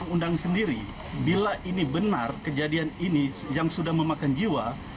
undang sendiri bila ini benar kejadian ini yang sudah memakan jiwa